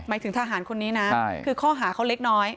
ถึงทหารคนนี้นะคือข้อหาเขาเล็กน้อย